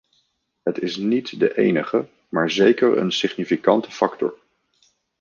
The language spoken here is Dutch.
Het is niet de enige, maar zeker een significante factor.